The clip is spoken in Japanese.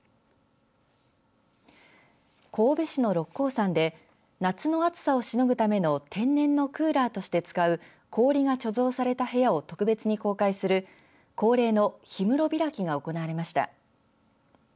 神戸市の六甲山で夏の暑さをしのぐための天然のクーラーとして使う氷が貯蔵された部屋を特別に公開する恒例の氷室開きが行われました。